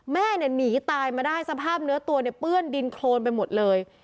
แม่เนี่ยหนีตายมาได้สภาพเนื้อตัวเนี่ยเปื้อนดินโครนไปหมดเลย